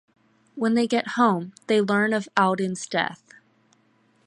When they get home, they learn of Alden's death.